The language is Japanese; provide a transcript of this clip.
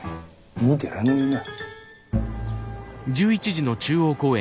見てらんねえな。